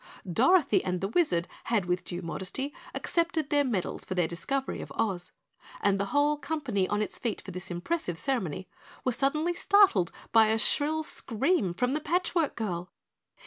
Dorothy and the Wizard had with due modesty accepted their medals for their discovery of Oz and the whole company on its feet for this impressive ceremony were suddenly startled by a shrill scream from the Patch Work Girl.